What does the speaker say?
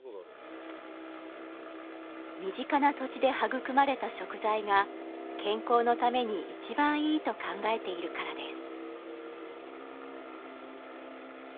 身近な土地で育まれた食材が健康のために一番いいと考えているからです。